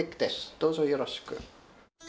どうぞよろしく。